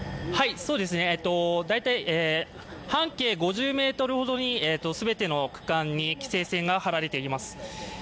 半径５０ｍほどに全ての区間に規制線が張られています。